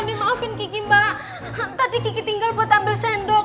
ini maafin kiki mbak tadi kiki tinggal buat ambil sendok